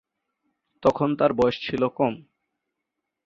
তখন তাঁর বয়স ছিল কম।